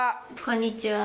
こんにちは。